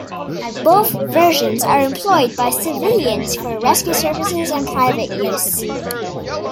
Both versions are employed by civilians for rescue services and private use.